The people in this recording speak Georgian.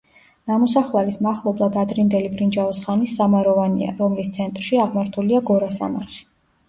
ნამოსახლარის მახლობლად ადრინდელი ბრინჯაოს ხანის სამაროვანია, რომლის ცენტრში აღმართულია გორასამარხი.